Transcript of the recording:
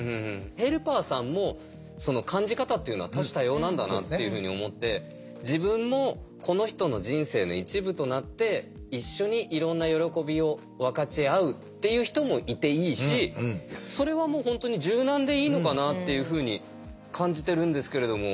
ヘルパーさんも感じ方っていうのは多種多様なんだなっていうふうに思って自分もこの人の人生の一部となって一緒にいろんな喜びを分かち合うっていう人もいていいしそれはもう本当に柔軟でいいのかなっていうふうに感じてるんですけれども。